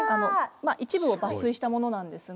まっ一部を抜粋したものなんですが。